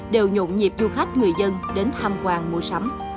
đều nhộn nhịp du khách người dân đến tham quan mua sắm